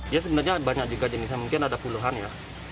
ya sebenarnya banyak juga jenisnya mungkin ada puluhan ya